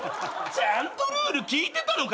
ちゃんとルール聞いてたのかよ！？